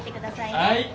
はい。